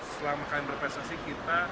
selama kalian berprestasi kita